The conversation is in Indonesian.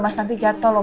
mas nanti jatoh loh